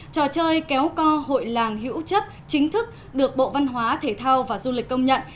trò chơi kéo co hội làng hữu chấp chính thức được bộ văn hóa thể thao và du lịch công nhận